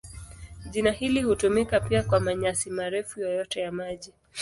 Jina hili hutumika pia kwa manyasi marefu yoyote ya maji.